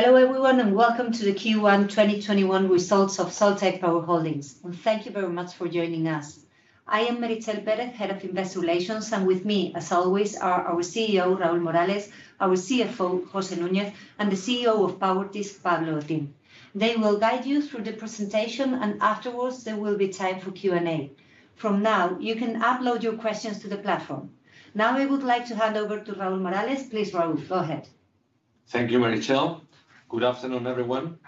Hello everyone, and welcome to the Q1 2021 results of Soltec Power Holdings, and thank you very much for joining us. I am Meritxell Perez, Head of Investor Relations, and with me, as always, are our Chief Executive Officer, Raul Morales, our Chief Financial Officer, José Núñez, and the Chief Executive Officer of Powertis, Pablo Otín. They will guide you through the presentation and afterwards there will be time for Q&A. From now, you can upload your questions to the platform. Now I would like to hand over to Raul Morales. Please, Raul, go ahead. Thank you, Meritxell. Good afternoon, everyone.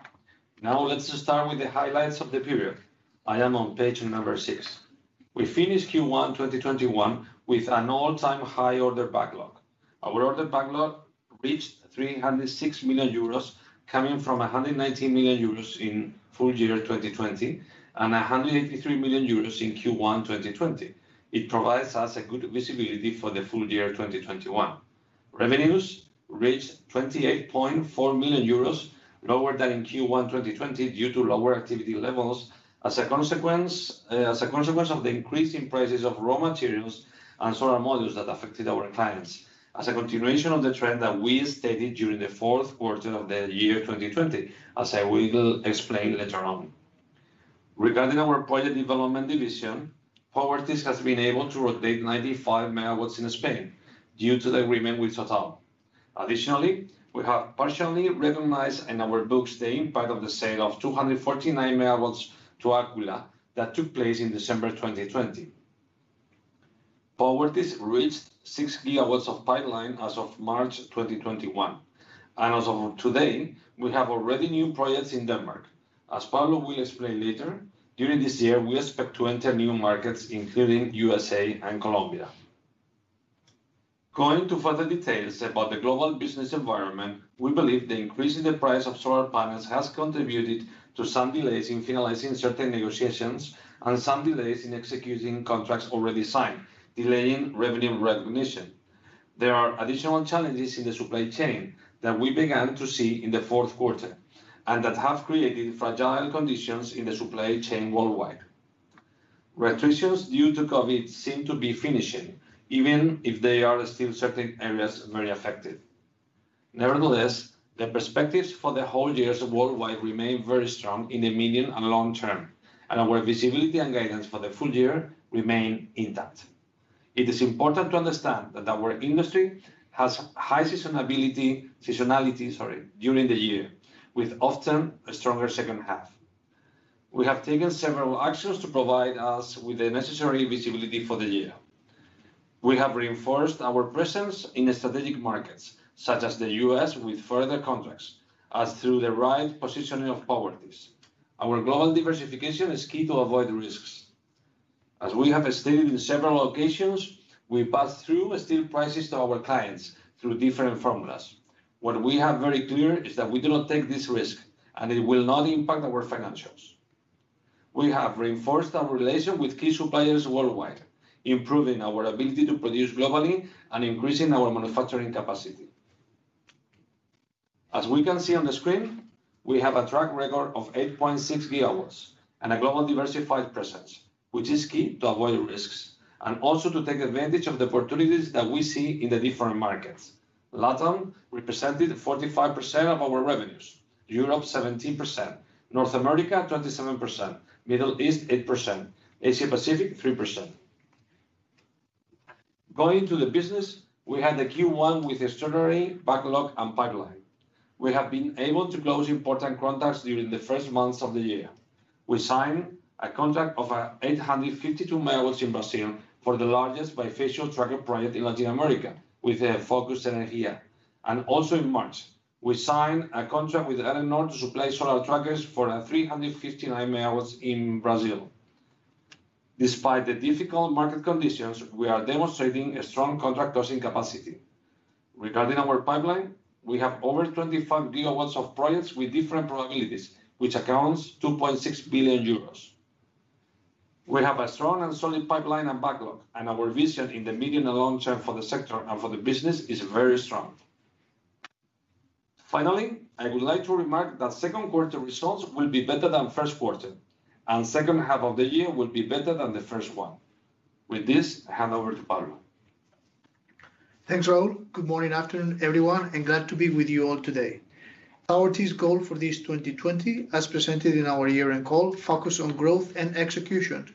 Now let's just start with the highlights of the period. I am on page number six. We finished Q1 2021 with an all-time high order backlog. Our order backlog reached 306 million euros, coming from 119 million euros in full year 2020, and 183 million euros in Q1 2020. It provides us a good visibility for the full year 2021. Revenues reached 28.4 million euros, lower than in Q1 2020 due to lower activity levels. As a consequence of the increase in prices of raw materials and solar modules that affected our clients. As a continuation of the trend that we stated during the fourth quarter of the year 2020, as I will explain later on. Regarding our project development division, Powertis has been able to rotate 95 MW in Spain due to the agreement with Total. Additionally, we have partially recognized in our books the impact of the sale of 249 MW to Aquila that took place in December 2020. Powertis reached 6 GW of pipeline as of March 2021. As of today, we have already new projects in Denmark. As Pablo will explain later, during this year, we expect to enter new markets, including U.S.A. and Colombia. Going to further details about the global business environment, we believe the increase in the price of solar panels has contributed to some delays in finalizing certain negotiations and some delays in executing contracts already signed, delaying revenue recognition. There are additional challenges in the supply chain that we began to see in the fourth quarter, and that have created fragile conditions in the supply chain worldwide. Restrictions due to COVID seem to be finishing, even if there are still certain areas very affected. Nevertheless, the perspectives for the whole years worldwide remain very strong in the medium and long term, and our visibility and guidance for the full year remain intact. It is important to understand that our industry has high seasonality during the year, with often a stronger second half. We have taken several actions to provide us with the necessary visibility for the year. We have reinforced our presence in strategic markets, such as the U.S., with further contracts, as through the right positioning of Powertis. Our global diversification is key to avoid risks. As we have stated in several occasions, we pass through steel prices to our clients through different formulas. What we have very clear is that we do not take this risk, and it will not impact our financials. We have reinforced our relation with key suppliers worldwide, improving our ability to produce globally and increasing our manufacturing capacity. As we can see on the screen, we have a track record of 8.6 GW and a global diversified presence, which is key to avoid risks, and also to take advantage of the opportunities that we see in the different markets. LATAM represented 45% of our revenues. Europe, 17%. North America, 27%. Middle East, 8%. Asia Pacific, 3%. Going to the business, we had a Q1 with extraordinary backlog and pipeline. We have been able to close important contracts during the first months of the year. We signed a contract of 852 MW in Brazil for the largest bifacial tracker project in Latin America with Focus Energia. Also in March, we signed a contract with Enel North to supply solar trackers for 359 MW in Brazil. Despite the difficult market conditions, we are demonstrating a strong contract closing capacity. Regarding our pipeline, we have over 25 GW of projects with different probabilities, which accounts 2.6 billion euros. We have a strong and solid pipeline and backlog, and our vision in the medium and long term for the sector and for the business is very strong. Finally, I would like to remark that second quarter results will be better than first quarter, and second half of the year will be better than the first one. With this, hand over to Pablo Otín. Thanks, Raul. Good morning, afternoon, everyone, and glad to be with you all today. Our team's goal for this 2020, as presented in our year-end call, focus on growth and execution.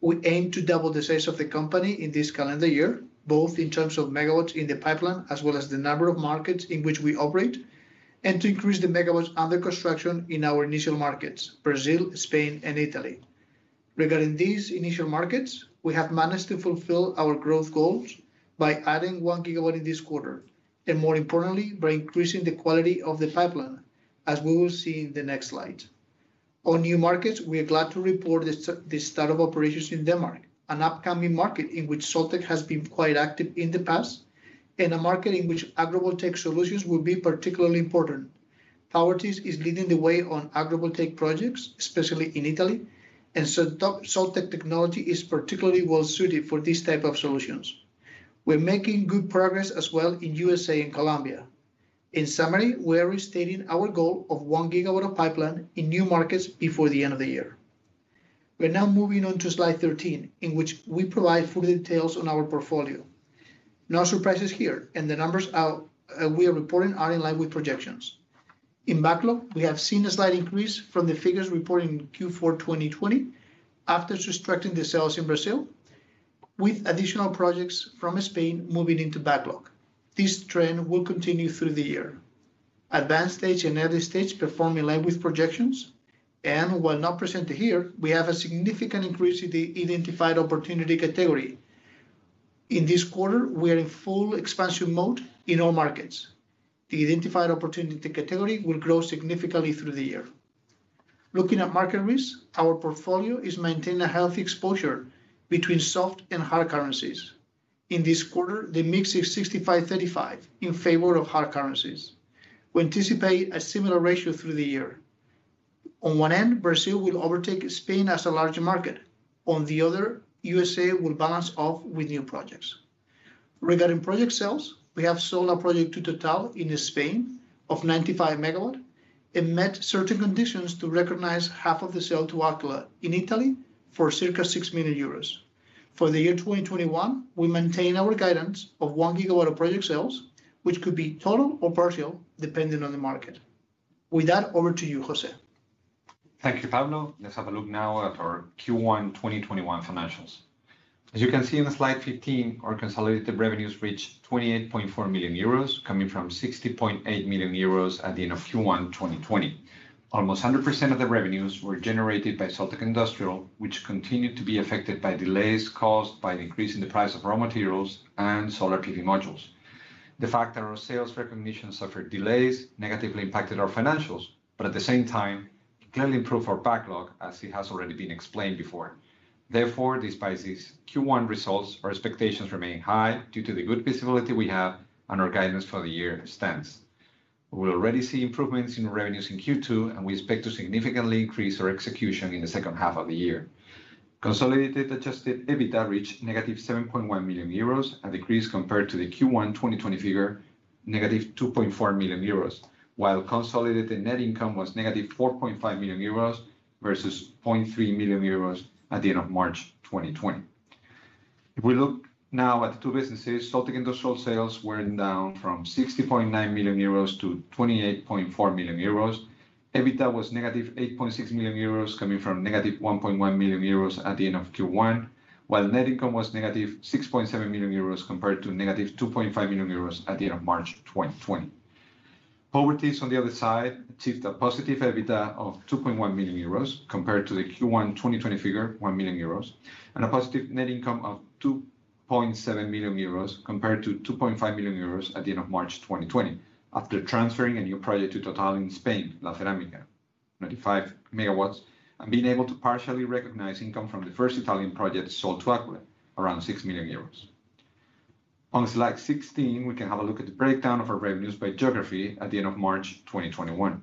We aim to double the size of the company in this calendar year, both in terms of megawatts in the pipeline, as well as the number of markets in which we operate, and to increase the megawatts under construction in our initial markets, Brazil, Spain and Italy. Regarding these initial markets, we have managed to fulfill our growth goals by adding one gigawatt in this quarter, and more importantly, by increasing the quality of the pipeline, as we will see in the next slide. On new markets, we are glad to report the start of operations in Denmark, an upcoming market in which Soltec has been quite active in the past, and a market in which agrivoltaic solutions will be particularly important. Powertis is leading the way on agrivoltaic projects, especially in Italy, and Soltec technology is particularly well-suited for these type of solutions. We're making good progress as well in U.S.A. and Colombia. In summary, we are restating our goal of one gigawatt of pipeline in new markets before the end of the year. We are now moving on to slide 13, in which we provide full details on our portfolio. No surprises here, and the numbers we are reporting are in line with projections. In backlog, we have seen a slight increase from the figures reported in Q4 2020 after subtracting the sales in Brazil, with additional projects from Spain moving into backlog. This trend will continue through the year. Advanced stage and early stage perform in line with projections, while not presented here, we have a significant increase in the identified opportunity category. In this quarter, we are in full expansion mode in all markets. The identified opportunity category will grow significantly through the year. Looking at market risk, our portfolio is maintaining a healthy exposure between soft and hard currencies. In this quarter, the mix is 65/35 in favor of hard currencies. We anticipate a similar ratio through the year. On one end, Brazil will overtake Spain as a larger market. On the other, U.S.A. will balance off with new projects. Regarding project sales, we have sold a project to Total in Spain of 95 MW and met certain conditions to recognize half of the sale to Aquila in Italy for circa 6 million euros. For the year 2021, we maintain our guidance of one gigawatt of project sales, which could be total or partial depending on the market. With that, over to you, José. Thank you, Pablo. Let's have a look now at our Q1 2021 financials. As you can see on slide 15, our consolidated revenues reached 28.4 million euros, coming from 60.8 million euros at the end of Q1 2020. Almost 100% of the revenues were generated by Soltec Industrial, which continued to be affected by delays caused by the increase in the price of raw materials and solar PV modules. The fact that our sales recognition suffered delays negatively impacted our financials, but at the same time, clearly improved our backlog as it has already been explained before. Therefore, despite these Q1 results, our expectations remain high due to the good visibility we have and our guidance for the year stance. We're already seeing improvements in revenues in Q2, and we expect to significantly increase our execution in the second half of the year. Consolidated adjusted EBITDA reached -7.1 million euros, a decrease compared to the Q1 2020 figure, -2.4 million euros, while consolidated net income was -4.5 million euros versus 0.3 million euros at the end of March 2020. If we look now at the two businesses, Soltec Industrial sales were down from 60.9 million-28.4 million euros. EBITDA was -8.6 million euros, coming from -1.1 million euros at the end of Q1, while net income was -6.7 million euros compared to -2.5 million euros at the end of March 2020. Powertis, on the other side, achieved a positive EBITDA of 2.1 million euros compared to the Q1 2020 figure, 1 million euros, and a positive net income of 2.7 million euros compared to 2.5 million euros at the end of March 2020, after transferring a new project to Total in Spain, La Cerámica, 95 MW, and being able to partially recognize income from the first Italian project sold to Aquila, around 6 million euros. On slide 16, we can have a look at the breakdown of our revenues by geography at the end of March 2021.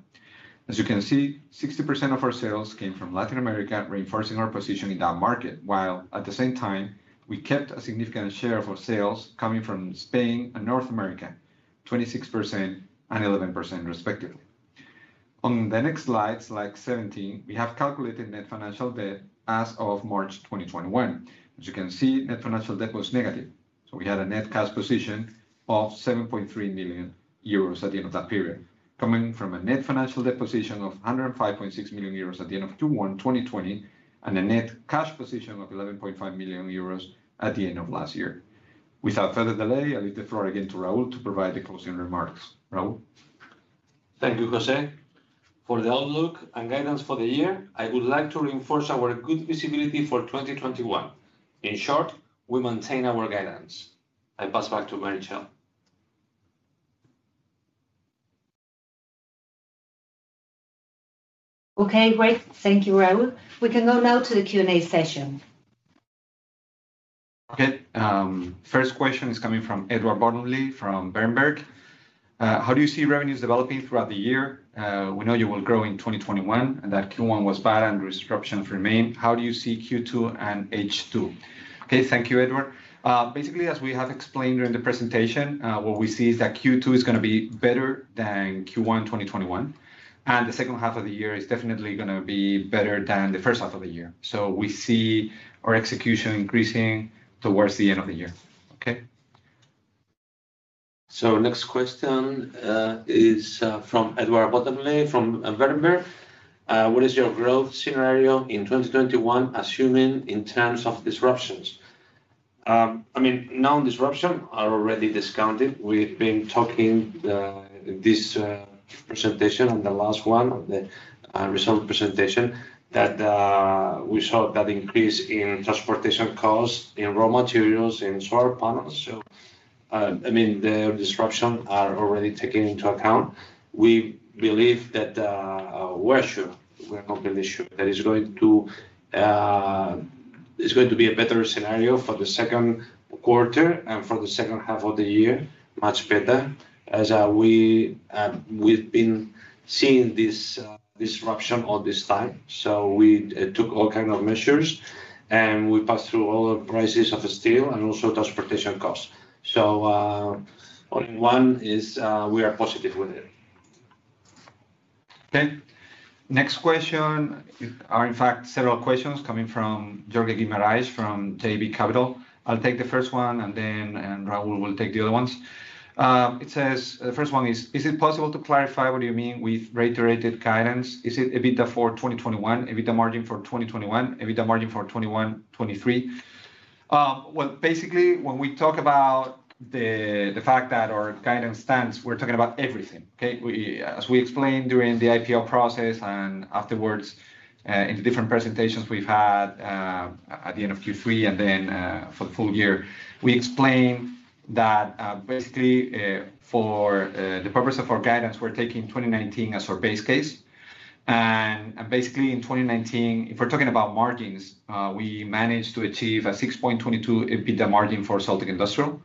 As you can see, 60% of our sales came from Latin America, reinforcing our position in that market, while at the same time, we kept a significant share of our sales coming from Spain and North America, 26% and 11% respectively. On the next Slide 17, we have calculated net financial debt as of March 2021. As you can see, net financial debt was negative, we had a net cash position of 7.3 million euros at the end of that period, coming from a net financial debt position of 105.6 million euros at the end of Q1 2020 and a net cash position of 11.5 million euros at the end of last year. Without further delay, I leave the floor again to Raul to provide the closing remarks. Raul? Thank you, José. For the outlook and guidance for the year, I would like to reinforce our good visibility for 2021. In short, we maintain our guidance. I pass back to Meritxell. Okay, great. Thank you, Raul. We can go now to the Q&A session. Okay. First question is coming from Edward Bottomley from Berenberg. "How do you see revenues developing throughout the year? We know you will grow in 2021, and that Q1 was bad and disruptions remain. How do you see Q2 and H2?" Okay. Thank you, Edward. Basically, as we have explained during the presentation, what we see is that Q2 is going to be better than Q1 2021, and the second half of the year is definitely going to be better than the first half of the year. We see our execution increasing towards the end of the year. Okay. Next question is from Edward Bottomley from Berenberg. "What is your growth scenario in 2021, assuming in terms of disruptions?" I mean, known disruption are already discounted. We've been talking in this presentation and the last one, the result presentation, that we saw that increase in transportation costs, in raw materials, in solar panels. The disruption are already taken into account. We believe that we are sure, we are completely sure, that it's going to be a better scenario for the second quarter and for the second half of the year, much better, as we've been seeing this disruption all this time. We took all kind of measures, and we passed through all the prices of steel and also transportation costs. Only one is, we are positive with it. Okay. Next question are in fact several questions coming from Jorge Guimaraes from JB Capital. I'll take the first one, and then Raul will take the other ones. The first one is, "Is it possible to clarify what do you mean with reiterated guidance? Is it EBITDA for 2021, EBITDA margin for 2021, EBITDA margin for 2021, 2023?" Well, basically, when we talk about the fact that our guidance stands, we're talking about everything. Okay? As we explained during the IPO process and afterwards, in the different presentations we've had, at the end of Q3 and then, for the full year. We explained that, basically, for the purpose of our guidance, we're taking 2019 as our base case. Basically, in 2019, if we're talking about margins, we managed to achieve a 6.22x EBITDA margin for Soltec Industrial.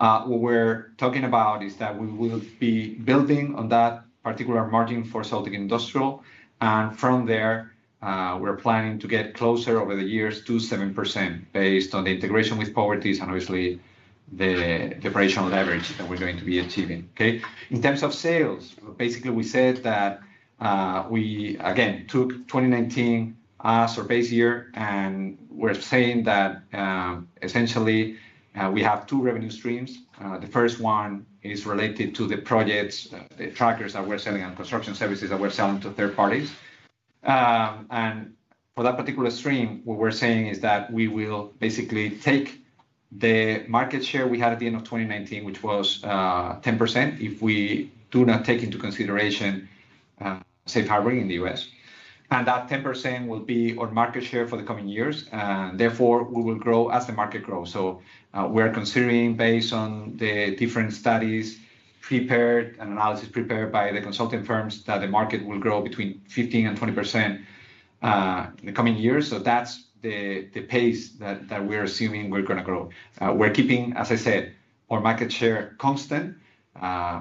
What we're talking about is that we will be building on that particular margin for Soltec Industrial, and from there, we're planning to get closer over the years to 7%, based on the integration with Powertis and obviously the operational leverage that we're going to be achieving. Okay? In terms of sales, basically, we said that we, again, took 2019 as our base year, and we're saying that, essentially, we have two revenue streams. The first one is related to the projects, the trackers that we're selling, and construction services that we're selling to third parties. For that particular stream, what we're saying is that we will basically take the market share we had at the end of 2019, which was 10%, if we do not take into consideration Safe Harbor in the U.S. That 10% will be our market share for the coming years, therefore, we will grow as the market grows. We're considering based on the different studies prepared, and analysis prepared by the consulting firms, that the market will grow between 15%-20% in the coming years. That's the pace that we're assuming we're going to grow. We're keeping, as I said, our market share constant,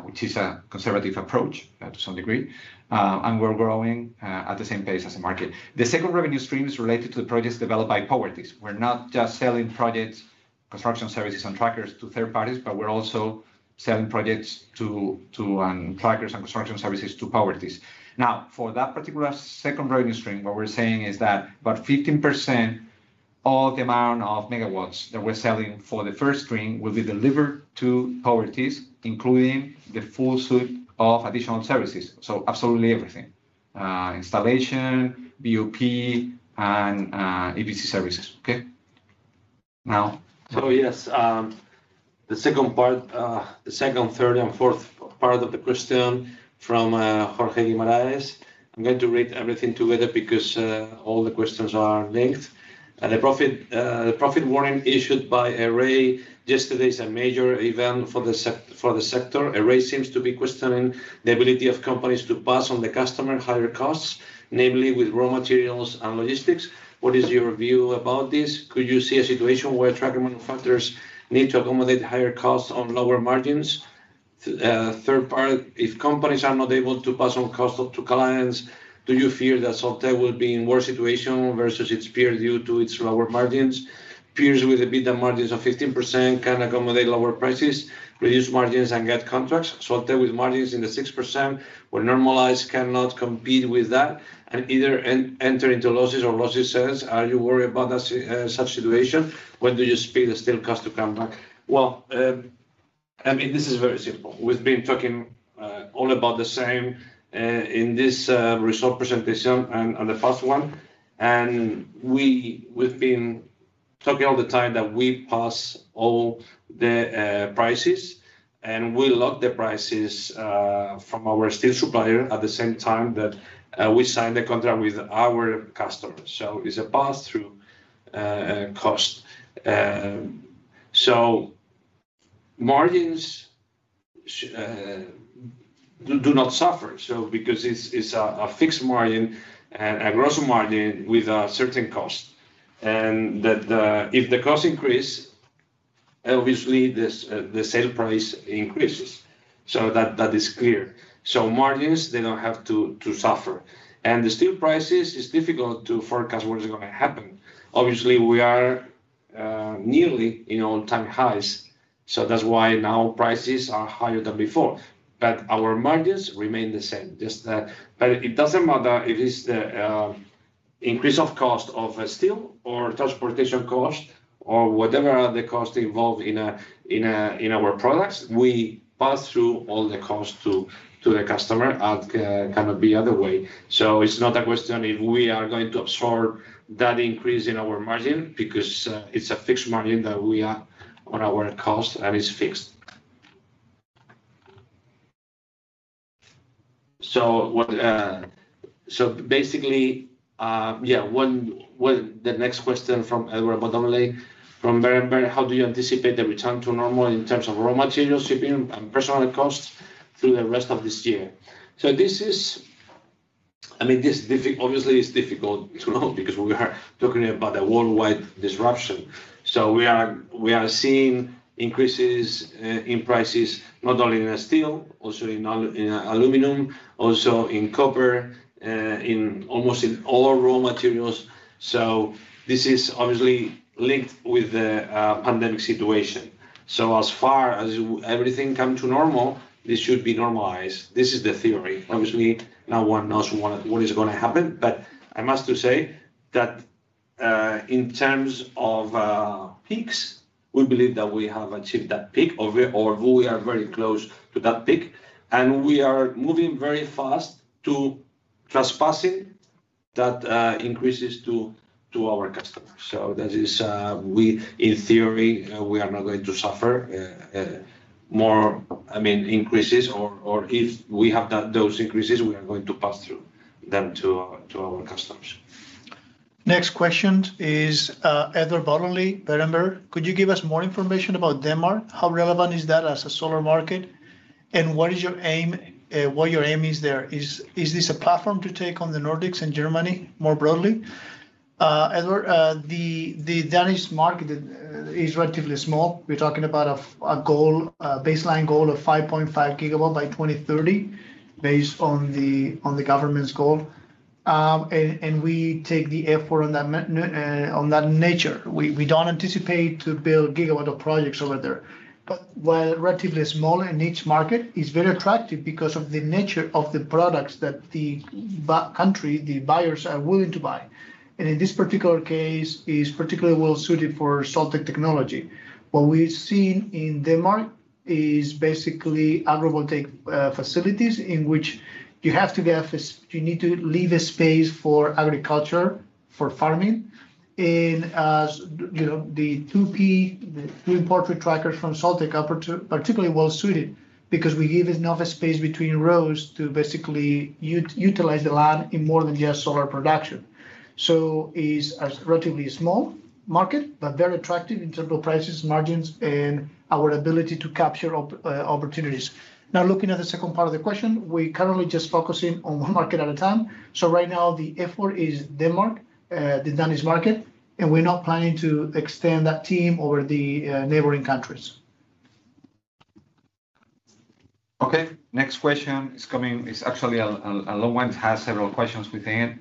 which is a conservative approach to some degree, and we're growing at the same pace as the market. The second revenue stream is related to the projects developed by Powertis. We're not just selling projects, construction services, and trackers to third parties, but we're also selling projects, and trackers, and construction services to Powertis. For that particular second revenue stream, what we're saying is that about 15% of the amount of megawatts that we're selling for the first stream will be delivered to Powertis, including the full suite of additional services. Absolutely everything, installation, BOP, and EPC services. Okay? Yes. The second, third, and fourth part of the question from Jorge Guimaraes, I'm going to read everything together because all the questions are linked. "The profit warning issued by Array yesterday is a major event for the sector. Array seems to be questioning the ability of companies to pass on the customer higher costs, namely with raw materials and logistics. What is your view about this? Could you see a situation where tracker manufacturers need to accommodate higher costs on lower margins?" Third part, "If companies are not able to pass on costs up to clients, do you fear that Soltec will be in worse situation versus its peers due to its lower margins? Peers with EBITDA margins of 15% can accommodate lower prices, reduce margins, and get contracts. Soltec with margins in the 6%, when normalized, cannot compete with that, and either enter into losses or losses sales. Are you worried about such situation? When do you expect the steel cost to come back? Well, this is very simple. We've been talking all about the same in this result presentation and on the first one, and we've been talking all the time that we pass all the prices, and we lock the prices from our steel supplier at the same time that we sign the contract with our customers. It's a pass-through cost. Margins do not suffer, because it's a fixed margin and a gross margin with a certain cost. If the cost increase, obviously, the sale price increases. That is clear. Margins, they don't have to suffer. The steel prices, it's difficult to forecast what is going to happen. Obviously, we are nearly in all-time highs, that's why now prices are higher than before. Our margins remain the same. It doesn't matter if it's the increase of cost of steel, or transportation cost, or whatever other cost involved in our products. We pass through all the cost to the customer. It cannot be other way. It's not a question if we are going to absorb that increase in our margin because it's a fixed margin that we are on our cost, and it's fixed. Basically, the next question from Eduardo Domecq from Berenberg, "How do you anticipate the return to normal in terms of raw material, shipping, and personal costs through the rest of this year?" This obviously is difficult to know because we are talking about a worldwide disruption. We are seeing increases in prices, not only in steel, also in aluminum, also in copper, in almost in all raw materials. This is obviously linked with the pandemic situation. As far as everything comes to normal, this should be normalized. This is the theory. Obviously, no one knows what is going to happen, but I must say that, in terms of peaks, we believe that we have achieved that peak, or we are very close to that peak, and we are moving very fast to passing those increases to our customers. That is, in theory, we are not going to suffer more increases, or if we have those increases, we are going to pass through them to our customers. Next question is Edward Bottomley. "Berenberg, could you give us more information about Denmark? How relevant is that as a solar market, and what your aim is there? Is this a platform to take on the Nordics and Germany more broadly?" Edward, the Danish market is relatively small. We're talking about a baseline goal of 5.5 GW by 2030, based on the government's goal. We take the effort on that nature. We don't anticipate to build gigawatt of projects over there. While relatively small, a niche market, it's very attractive because of the nature of the products that the country, the buyers, are willing to buy. In this particular case, it's particularly well-suited for Soltec technology. What we've seen in Denmark is basically agrivoltaic facilities in which you need to leave a space for agriculture, for farming. As you know, the 2P, the two-in-portrait trackers from Soltec, are particularly well-suited because we give enough space between rows to basically utilize the land in more than just solar production. It's a relatively small market, but very attractive in terms of prices, margins, and our ability to capture opportunities. Looking at the second part of the question, we're currently just focusing on one market at a time. Right now, the effort is Denmark, the Danish market, and we're not planning to extend that team over the neighboring countries. Okay. Next question is actually a long one. It has several questions within it.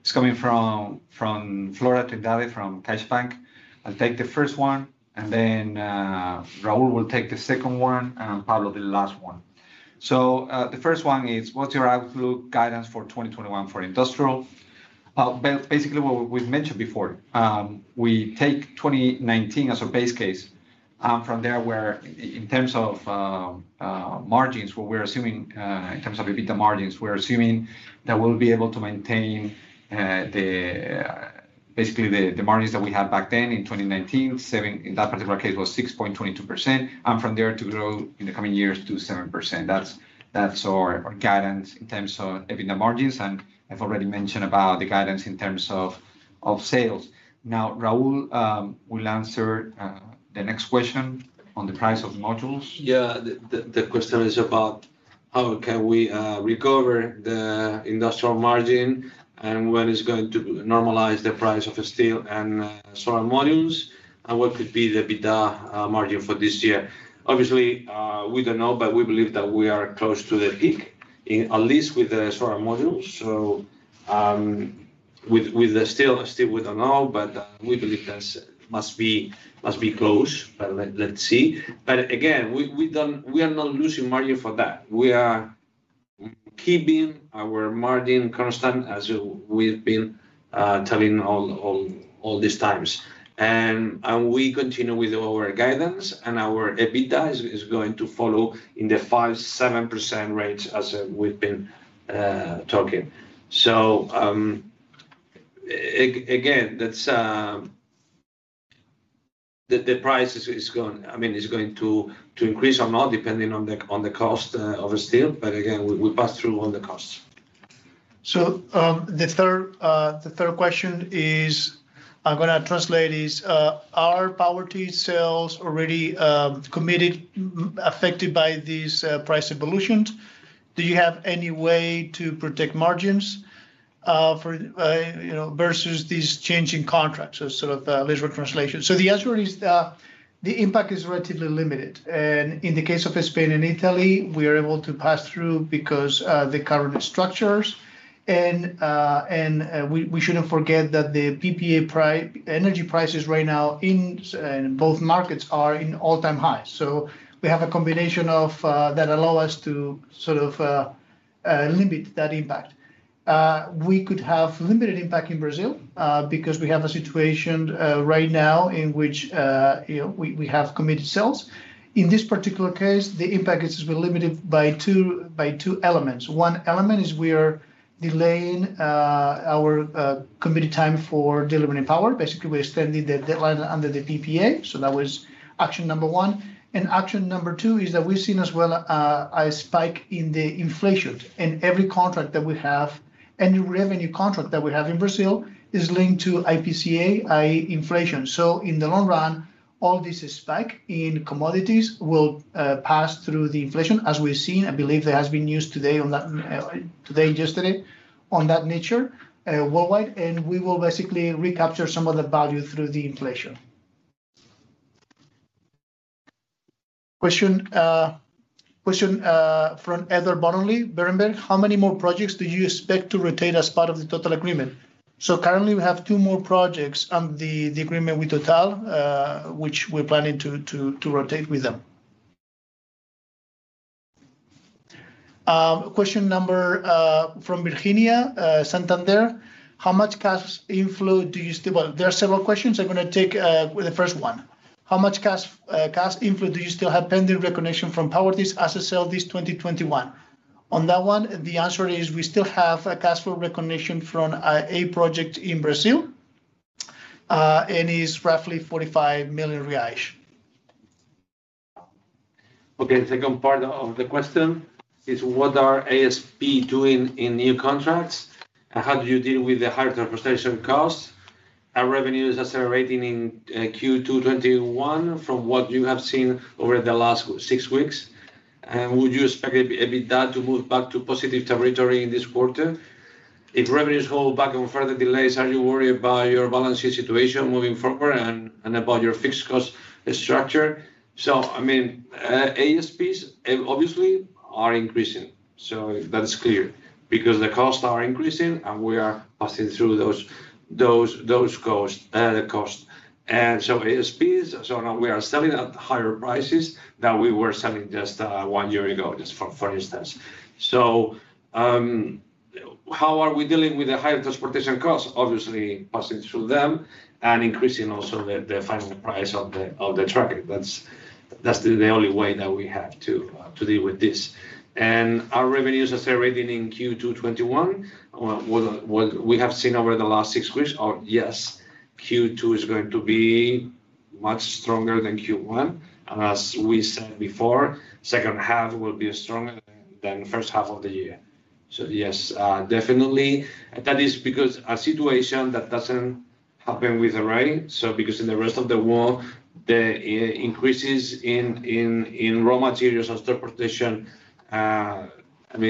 It's coming from Flora Trindade from CaixaBank. I'll take the first one, and then Raul will take the second one, and Pablo the last one. The first one is, "What's your outlook guidance for 2021 for Industrial?" Basically what we've mentioned before. We take 2019 as our base case. From there, in terms of EBITDA margins, we're assuming that we'll be able to maintain basically the margins that we had back then in 2019. In that particular case, it was 6.22%, and from there to grow in the coming years to 7%. That's our guidance in terms of EBITDA margins. I've already mentioned about the guidance in terms of sales. Raul will answer the next question on the price of modules. Yeah. The question is about how can we recover the industrial margin, and when is going to normalize the price of steel and solar modules, and what could be the EBITDA margin for this year? Obviously, we don't know, but we believe that we are close to the peak, at least with the solar modules. With the steel, we don't know, but we believe that must be close. Let's see. Again, we are not losing margin for that. We are keeping our margin constant, as we've been telling all these times. We continue with our guidance, and our EBITDA is going to follow in the 5%-7% range, as we've been talking. Again, the price is going to increase or not depending on the cost of the steel. Again, we'll pass through on the costs. The third question is, I am going to translate, "Are Powertis sales already committed affected by these price evolutions? Do you have any way to protect margins versus these changing contracts?" A sort of literal translation. The answer is, the impact is relatively limited. In the case of Spain and Italy, we are able to pass through because of the current structures. We shouldn't forget that the PPA energy prices right now in both markets are in all-time highs. We have a combination that allow us to sort of limit that impact. We could have limited impact in Brazil, because we have a situation right now in which we have committed sales. In this particular case, the impact has been limited by two elements. One element is we are delaying our committed time for delivering power. Basically, we extended the deadline under the PPA. That was action number one. Action number two is that we've seen as well a spike in the inflation. Every revenue contract that we have in Brazil is linked to IPCA, i.e., inflation. In the long run, all this spike in commodities will pass through the inflation, as we've seen. I believe there has been news today and yesterday on that nature worldwide, and we will basically recapture some of the value through the inflation. Question Question from Edward Bottomley, Berenberg. How many more projects do you expect to rotate as part of the Total agreement? Currently, we have two more projects under the agreement with Total, which we're planning to rotate with them. Question from Virginia, Santander. There are several questions. I'm going to take the first one. How much cash inflow do you still have pending recognition from powertis as of sales 2021? On that one, the answer is we still have a cash flow recognition from a project in Brazil, and it's roughly BRL 45 million. Second part of the question is, what are ASP doing in new contracts? How do you deal with the higher transportation costs? Are revenues accelerating in Q2 2021 from what you have seen over the last six weeks? Would you expect EBITDA to move back to positive territory in this quarter? If revenues hold back on further delays, are you worried about your balance sheet situation moving forward and about your fixed cost structure? ASPs obviously are increasing. That is clear, because the costs are increasing, and we are passing through those costs. ASPs, we are selling at higher prices than we were selling just one year ago, just for instance. How are we dealing with the higher transportation costs? Obviously, passing through them and increasing also the final price of the tracker. That's the only way that we have to deal with this. Are revenues accelerating in Q2 2021 from what we have seen over the last six weeks? Yes. Q2 is going to be much stronger than Q1. As we said before, second half will be stronger than first half of the year. Yes, definitely. That is because a situation that doesn't happen with Array Technologies. Because in the rest of the world, the increases in raw materials and transportation,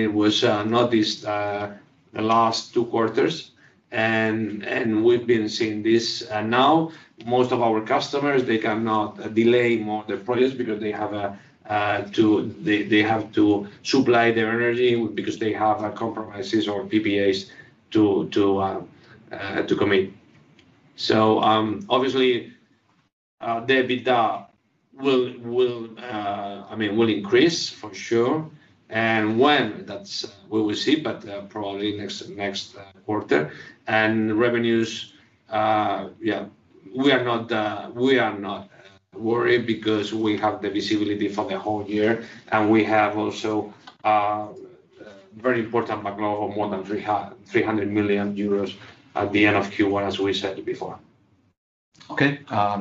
it was noticed the last two quarters, and we've been seeing this now. Most of our customers, they cannot delay more their projects because they have to supply their energy because they have compromises or PPAs to commit. Obviously, the EBITDA will increase, for sure. When, that we will see, but probably next quarter. Revenues, we are not worried because we have the visibility for the whole year, and we have also a very important backlog of more than 300 million euros at the end of Q1, as we said before.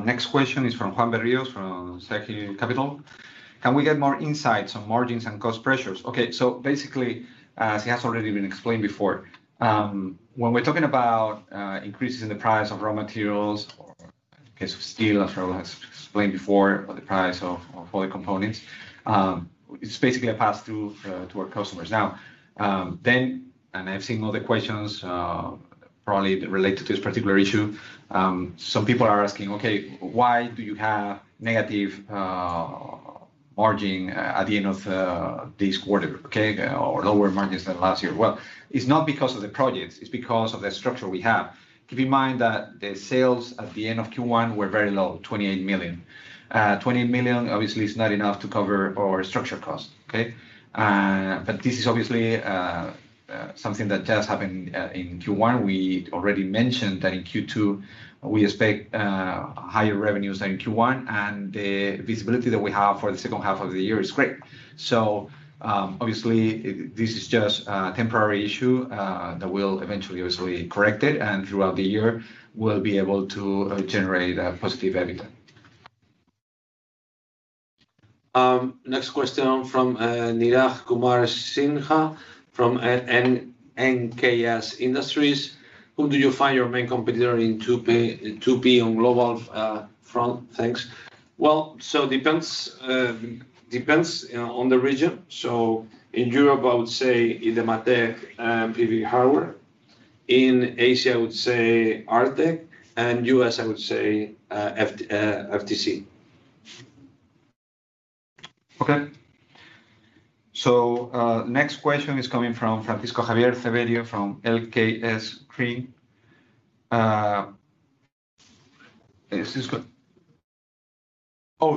Next question is from Juan Berríos from Securo Capital. Can we get more insights on margins and cost pressures? Basically, as it has already been explained before, when we're talking about increases in the price of raw materials or in case of steel, as Raul has explained before, or the price of other components, it's basically a pass-through to our customers now. I've seen all the questions, probably related to this particular issue, some people are asking, why do you have negative margin at the end of this quarter, or lower margins than last year? It's not because of the projects, it's because of the structure we have. Keep in mind that the sales at the end of Q1 were very low, 28 million. 28 million obviously is not enough to cover our structure cost. This is obviously something that just happened in Q1. We already mentioned that in Q2, we expect higher revenues than Q1, and the visibility that we have for the second half of the year is great. Obviously, this is just a temporary issue that will eventually get corrected, and throughout the year, we will be able to generate a positive EBITDA. Next question from Neeraj Kumar Sinha from NKS Industries. Who do you find your main competitor in 2P on global front? Thanks. Well, depends on the region. In Europe, I would say Ideematec and PV Hardware. In Asia, I would say Arctech. U.S., I would say FTC. Okay. Next question is coming from Francisco Javier Severio from LKS Screen. Oh,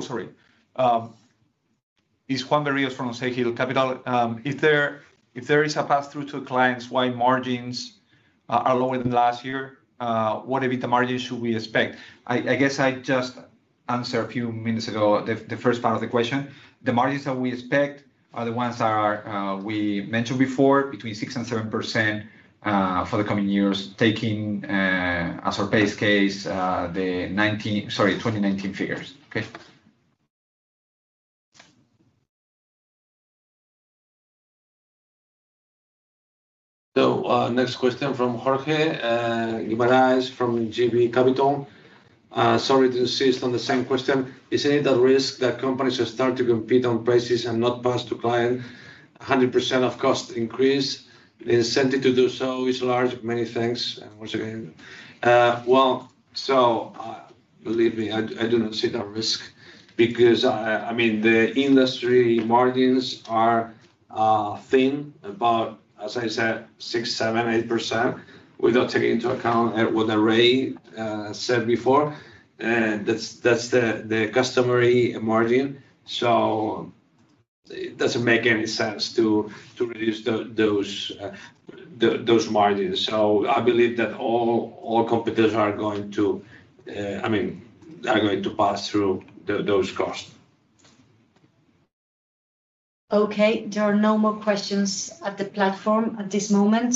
sorry. It's Juan Berríos from Securo Capital. If there is a pass-through to clients, why margins are lower than last year? What EBITDA margins should we expect? I guess I just answered a few minutes ago, the first part of the question. The margins that we expect are the ones we mentioned before, between 6 and 7% for the coming years, taking as our base case, the 2019 figures. Okay? Next question from Jorge Guimaraes, from JB Capital. Sorry to insist on the same question. Is it a risk that companies will start to compete on prices and not pass to client 100% of cost increase? The incentive to do so is large. Many thanks once again. Believe me, I do not see that risk because the industry margins are thin, about, as I said, 6%, 7%, 8%, without taking into account what Array said before. That's the customary margin. It doesn't make any sense to reduce those margins. I believe that all competitors are going to pass through those costs. Okay. There are no more questions at the platform at this moment.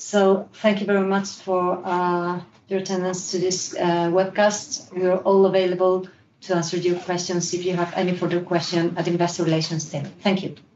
Thank you very much for your attendance to this webcast. We are all available to answer your questions if you have any further question at investor relations team. Thank you.